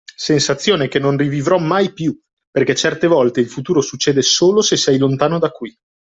Sensazione che non rivivrò mai più, perché certe volte il futuro succede solo se sei lontano da qui.